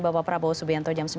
bapak prabowo subianto jam sembilan